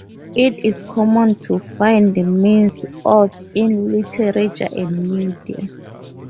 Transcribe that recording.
It is common to find minced oaths in literature and media.